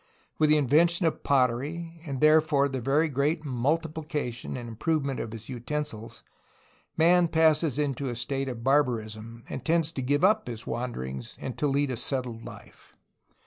With the invention of pottery and therefore the very great multipli cation and improvement of his utensils, man passes into a state of barbarism, and tends to give up his wanderings and to lead a settled life.